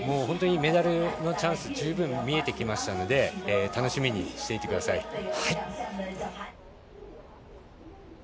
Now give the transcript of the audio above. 本当にメダルのチャンスは十分見えてきましたので楽しみにしていてください。